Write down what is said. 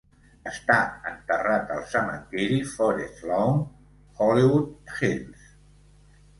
Està enterrat al cementiri Forest Lawn - Hollywood Hills.